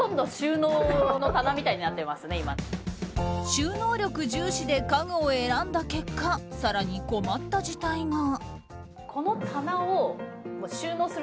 収納力重視で家具を選んだ結果更に困った事態が。